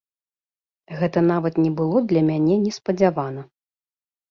Гэта нават не было для мяне неспадзявана.